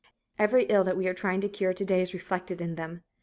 Every ill that we are trying to cure to day is reflected in them.